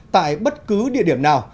tại bất cứ địa điểm nào